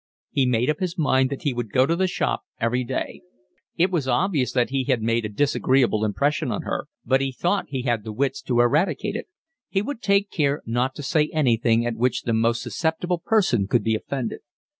He made up his mind that he would go to the shop every day; it was obvious that he had made a disagreeable impression on her, but he thought he had the wits to eradicate it; he would take care not to say anything at which the most susceptible person could be offended.